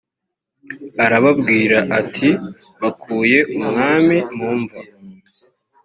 arababwira ati bakuye umwami mu mva